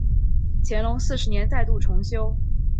乾隆四十年再度重修。